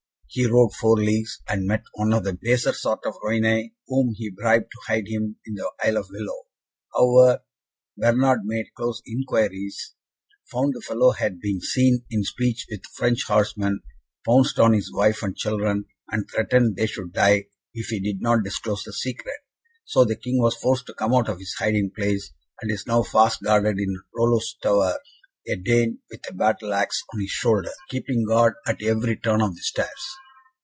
He rode four leagues, and met one of the baser sort of Rouennais, whom he bribed to hide him in the Isle of Willows. However, Bernard made close inquiries, found the fellow had been seen in speech with a French horseman, pounced on his wife and children, and threatened they should die if he did not disclose the secret. So the King was forced to come out of his hiding place, and is now fast guarded in Rollo's tower a Dane, with a battle axe on his shoulder, keeping guard at every turn of the stairs."